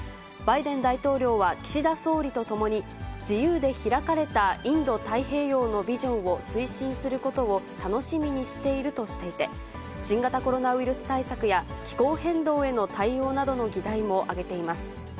バイデン大統領は岸田総理と共に、自由で開かれたインド太平洋のビジョンを推進することを楽しみにしているとしていて、新型コロナウイルス対策や、気候変動への対応などの議題も挙げています。